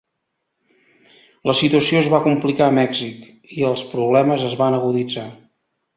La situació es va complicar a Mèxic i els problemes es van aguditzar.